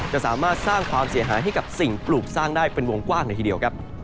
จะสามารถสร้างความเสียหายให้กับสิ่งปลูกสร้างได้เป็นวงกว้างเลยทีเดียวครับ